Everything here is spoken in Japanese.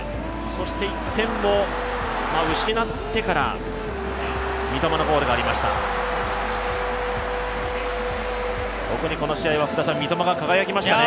そして１点を失ってから三笘のゴールがありました。